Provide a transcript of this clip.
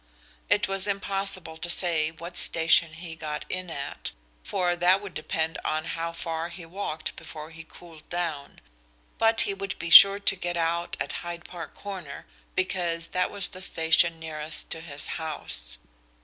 It was impossible to say what station he got in at, for that would depend on how far he walked before he cooled down, but he would be sure to get out at Hyde Park Corner because that was the station nearest to his house.